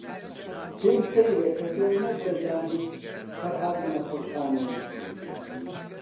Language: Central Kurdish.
پێم سەیرە کە تۆ نەتدەزانی فەرھاد لە نەخۆشخانەیە.